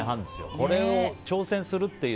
これに挑戦するという。